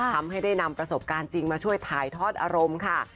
ทำให้ได้นำประสบการณ์จริงมาช่วยถ่ายทอดอารมณ์ค่ะ